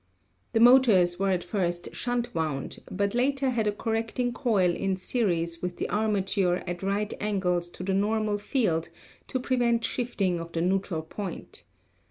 The motors were at first shunt wound, but later had a correcting coil in series with the armature at right angles to the normal field to prevent shifting of the neutral point.